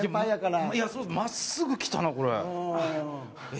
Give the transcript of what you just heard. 真っすぐ来たな、これ。